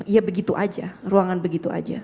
ya begitu aja ruangan begitu aja